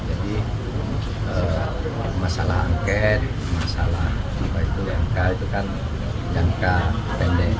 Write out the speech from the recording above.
jadi masalah angket masalah tiba itu yang kah itu kan jangka pendek